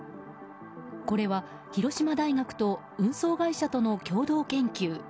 これは広島大学と運送会社との共同研究。